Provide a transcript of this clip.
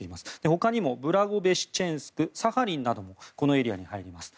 他にもブラゴベシチェンスクサハリンなどもこのエリアに入ります。